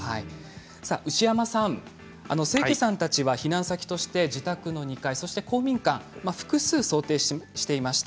牛山さん、清家さんたちは避難先として自宅の２階と公民館、複数想定していました。